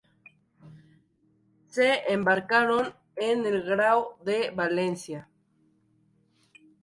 Se embarcaron en el Grao de Valencia.